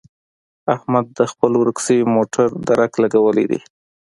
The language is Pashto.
احمد د خپل ورک شوي موټر درک لګولی دی.